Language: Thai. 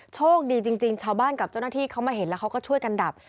โชคดีจริงชาวบ้านกับเจ้าหน้าที่เขามาเห็นแล้วเขาก็ช่วยกันดับ